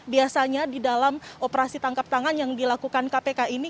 biasanya di dalam operasi tangkap tangan yang dilakukan kpk ini